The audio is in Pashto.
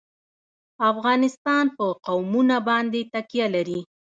افغانستان په قومونه باندې تکیه لري.